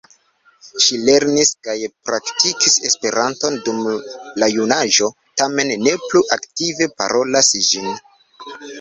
Ŝi lernis kaj praktikis Esperanton dum la junaĝo, tamen ne plu aktive parolas ĝin.